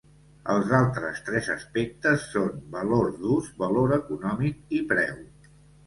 Els altres tres aspectes són valor d'ús, Valor econòmic, i preu.